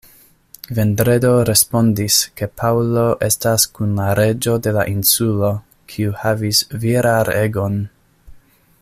Vendredo respondis, ke Paŭlo estas kun la reĝo de la insulo, kiu havis viraregon.